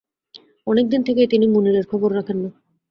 অনেক দিন থেকেই তিনি মুনিরের খবর রাখেন না।